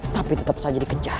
tapi tetap saja dikejar